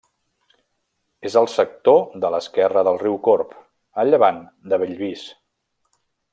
És al sector de l'esquerra del riu Corb, a llevant de Bellvís.